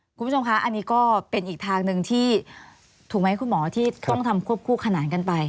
คุณผู้ชมคะอันนี้ก็เป็นอีกทางหนึ่งที่ถูกไหมคุณหมอที่ต้องทำควบคู่ขนานกันไป